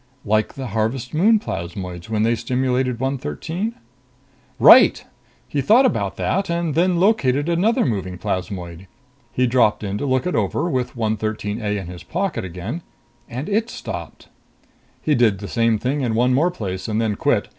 "Like the Harvest Moon plasmoids when they stimulated 113?" "Right. He thought about that, and then located another moving plasmoid. He dropped in to look it over, with 113 A in his pocket again, and it stopped. He did the same thing in one more place and then quit.